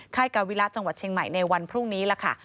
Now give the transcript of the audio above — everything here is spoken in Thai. กาวิระจังหวัดเชียงใหม่ในวันพรุ่งนี้ล่ะค่ะ